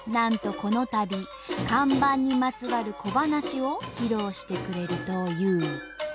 このたび看板にまつわる小ばなしを披露してくれるという。